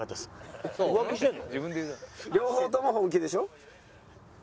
両方とも本気でしょ？